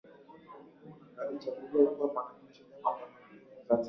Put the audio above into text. Alichaguliwa kuwa mwakilishi wa jimbo la Makunduchi huko Zanzibar